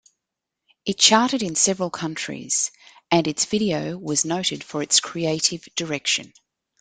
It charted in several countries and its video was noted for its creative direction.